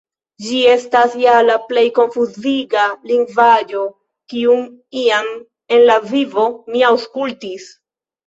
Ĝi estas ja la plej konfuziga lingvaĵo kiun iam en la vivo mi aŭskultis.